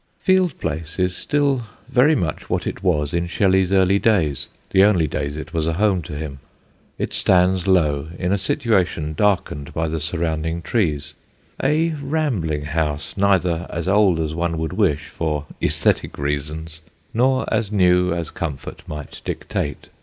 Field Place is still very much what it was in Shelley's early days the only days it was a home to him. It stands low, in a situation darkened by the surrounding trees, a rambling house neither as old as one would wish for æsthetic reasons nor as new as comfort might dictate.